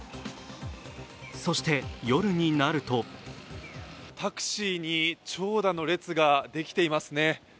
そして夜になるとタクシーに長蛇の列ができていますね。